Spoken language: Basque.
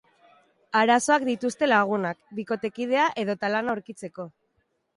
Arazoak dituzte lagunak, bikotekidea edota lana aurkitzeko.